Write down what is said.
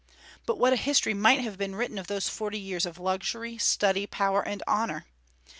But what a history might have been written of those forty years of luxury, study, power, and honor!